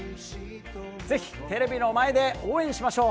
ぜひテレビの前で応援しましょう。